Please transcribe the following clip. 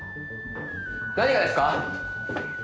何がですか？